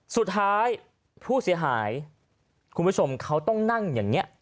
สุดท้ายผู้เสียหายคุณผู้ชมเขาต้องนั่งอย่างนี้